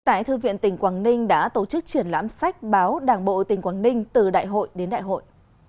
tại thư viện tỉnh quảng ninh đã tổ chức triển lãm sách báo đảng bộ tỉnh quảng ninh từ đại hội đến đại hội